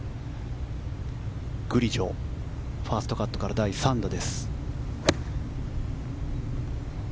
グリジョ、ファーストカットから第３打。